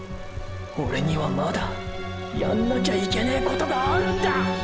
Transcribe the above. オレにはまだやんなきゃいけねェことがあるんだっ！！